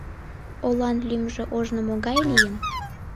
— Олан лӱмжӧ ожно могай лийын?